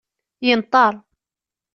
Yenṭer.